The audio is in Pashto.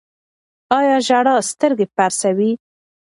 آیا ژړا سترګې پړسوي؟